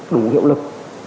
đủ hiệu lực